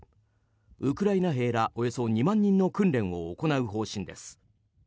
ウクライナ兵らおよそ２万人の訓練を行う方針です。